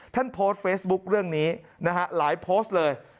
ท่านโพสต์เฟซบุ๊คเรื่องนี้นะฮะหลายโพสต์เลย